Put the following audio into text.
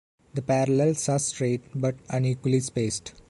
The parallels are straight but unequally spaced.